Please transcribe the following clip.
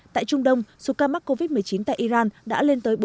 tại trung đông số ca mắc covid một mươi chín tại iran đã lên tới bốn trăm bốn mươi năm